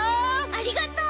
ありがとう！